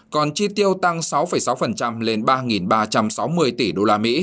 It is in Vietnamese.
còn chi tiêu tăng sáu sáu lên ba ba trăm sáu mươi tỷ usd